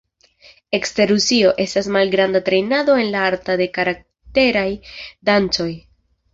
Ekster Rusio, estas malgranda trejnado en la arto de karakteraj dancoj.